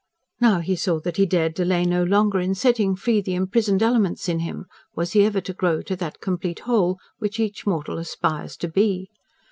Now he saw that he dared delay no longer in setting free the imprisoned elements in him, was he ever to grow to that complete whole which each mortal aspires to be.